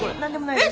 えっ？